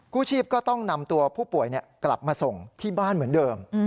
ผู้ชีพก็ต้องนำตัวผู้ป่วยกลับมาส่งที่บ้านเหมือนเดิม